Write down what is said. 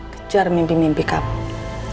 kejar mimpi mimpi kamu